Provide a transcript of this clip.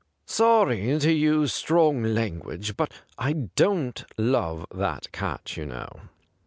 ' Sorry to use strong language, 'but I don't love that cat, you know.'